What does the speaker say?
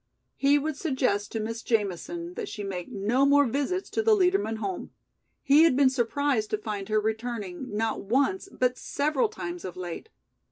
He would suggest to Miss Jamison that she make no more visits to the Liedermann home. He had been surprised to find her returning not once but several times of late.